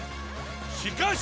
しかし。